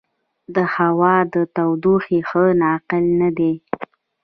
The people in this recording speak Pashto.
هوا د تودوخې ښه ناقل نه دی.